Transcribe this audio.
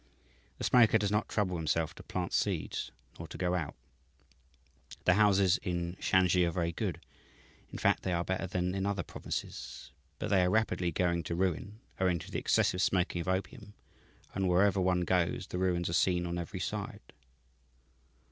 "The smoker does not trouble himself to plant seeds, nor to go out. "The houses in Shansi are very good; in fact, they are better than in other provinces, but they are rapidly going to ruin owing to the excessive smoking of opium, and wherever one goes the ruins are seen on every side.